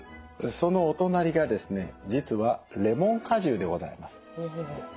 そのお隣がですね実はレモン果汁でございます。